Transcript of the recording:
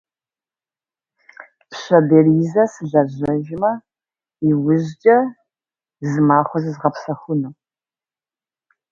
Звездное небо завораживало своей красотой, маня к разгадке тайн Вселенной.